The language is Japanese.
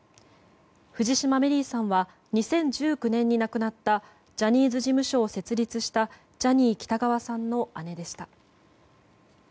藤島メリーさんは２０１９年に亡くなったジャニーズ事務所を設立したジャニー喜多川さんの姉でした。